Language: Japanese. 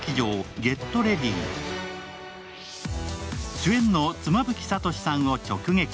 主演の妻夫木聡さんを直撃。